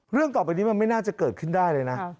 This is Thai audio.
ต่อไปนี้มันไม่น่าจะเกิดขึ้นได้เลยนะ